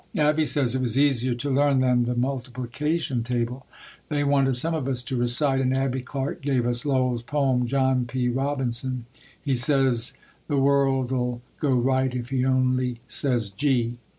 Abbie says it was easier to learn than the multiplication table. They wanted some of us to recite and Abbie Clark gave us Lowell's poem, "John P. Robinson, he, says the world'll go right if he only says Gee!"